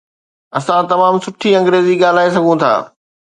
اسان تمام سٺي انگريزي ڳالهائي سگهون ٿا